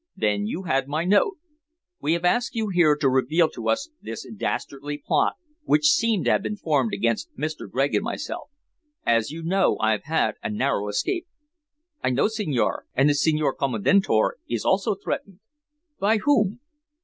"Then you had my note! We have asked you here to reveal to us this dastardly plot which seemed to have been formed against Mr. Gregg and myself. As you know, I've had a narrow escape." "I know, signore. And the Signor Commendatore is also threatened." "By whom?"